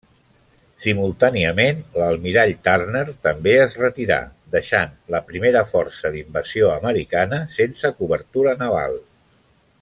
Simultàniament l'almirall Turner també es retirà, deixant la primera força d'invasió americana sense cobertura naval.